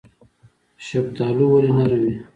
شفتالو ولې نرم وي؟